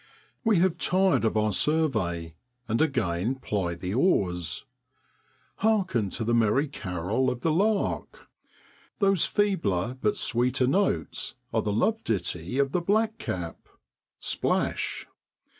We have tired of our survey, and again ply the oars. Hearken to the merry carol of the lark! Those feebler but sweeter notes are the love ditty of the black cap. Splash